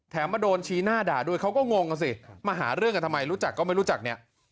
มาโดนชี้หน้าด่าด้วยเขาก็งงอ่ะสิมาหาเรื่องกันทำไมรู้จักก็ไม่รู้จักเนี่ย